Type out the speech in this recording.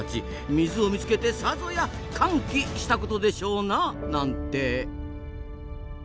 水を見つけてさぞや「歓喜」したことでしょうな。なんて。